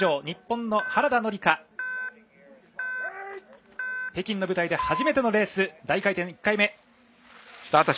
日本の原田紀香北京の舞台で初めてのレース大回転、１回目。